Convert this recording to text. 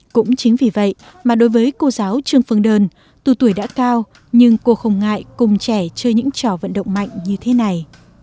cũng chính vì vậy mà đối với cô giáo trương phương đơn tuổi tuổi đã cao nhưng cô không ngại cùng trẻ chơi những trò vận động mạnh như thế này